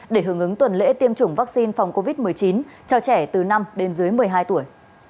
để hưởng ứng tuần lễ tiêm chủng vaccine phòng covid một mươi chín cho trẻ từ năm đến dưới một mươi hai tuổi